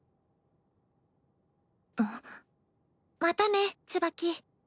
またねツバキ。